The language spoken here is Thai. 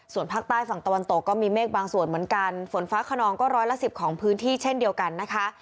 ส่วนภาคใต้ฝั่งตะวันตกก็มีเมฆบางส่วนเหมือนกันฝนฟ้าขนองก็ร้อยละสิบของพื้นที่เช่นเดียวกันนะคะ